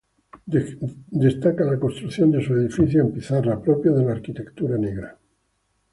Destaca la construcción de sus edificios en pizarra, propios de la arquitectura negra.